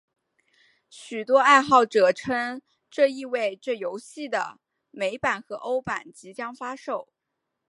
许多爱好者称这意味这游戏的美版和欧版即将发售。